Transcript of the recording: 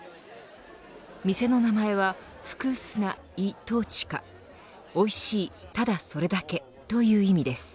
店の名前はフクースナ・イ・トーチカおいしい、ただそれだけという意味です。